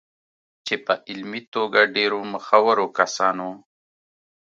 چې په علمي توګه ډېرو مخورو کسانو